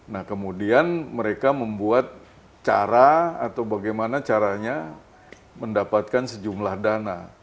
nah kemudian mereka membuat cara atau bagaimana caranya mendapatkan sejumlah dana